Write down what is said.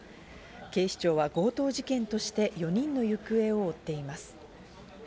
警視庁は強盗事件として４人の行方を追っています。